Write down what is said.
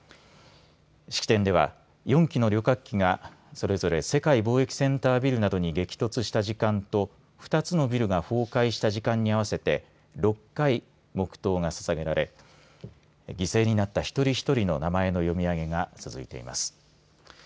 式典では、４機の旅客機がそれぞれ世界貿易センタービルなどに激突した時間と２つのビルが崩壊した時間に合わせて６回、黙とうがささげられ犠牲になった一人一人の名前の読み上げが続いています。